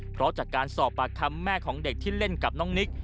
เพราะจากการสอบปากคำแม่ของเด็กที่เล่นกับน้องนิก